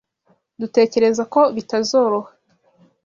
Dutekereza ko bitazoroha.